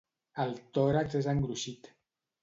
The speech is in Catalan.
El tòrax és engruixit.